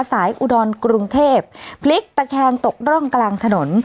อุดรกรุงเทพพลิกตะแคงตกร่องกลางถนน